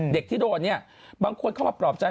เด็กที่โดนเนี่ยบางคนเข้ามาปลอบใจ